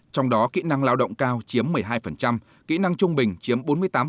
trong đó kỹ năng lao động cao chiếm một mươi hai kỹ năng trung bình chiếm bốn mươi tám